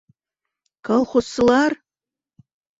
Колхозсылар: